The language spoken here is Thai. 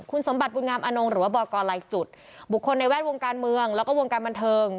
คุณสมบัติบุญงามอนงหรือว่าบอกกรลายจุดบุคคลในแวดวงการเมืองแล้วก็วงการบันเทิง